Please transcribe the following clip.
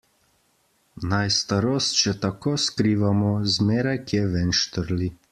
Naj starost še tako skrivamo, zmeraj kje ven štrli.